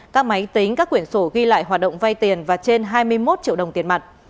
các máy tính các quyển sổ ghi lại hoạt động vay tiền và trên hai mươi một triệu đồng tiền mặt